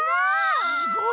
すごい！